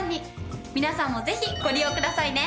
皆さんもぜひご利用くださいね。